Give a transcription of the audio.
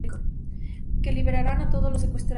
Que liberaran a todos los secuestrados.